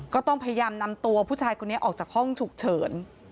ก็ต้องพยายามนำตัวผู้ชายคนนี้ออกจากห้องฉุกเฉิน